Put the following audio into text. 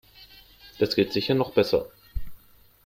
Das geht sicher noch besser.